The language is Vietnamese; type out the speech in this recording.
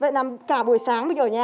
vậy nằm cả buổi sáng mình ở nhà đúng không